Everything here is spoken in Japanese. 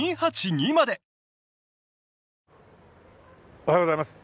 おはようございます。